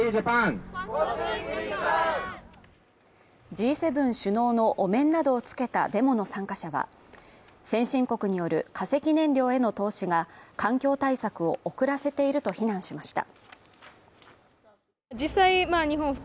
Ｇ７首脳のお面などをつけたデモの参加者は先進国による化石燃料への投資が環境対策を遅らせていると非難しました。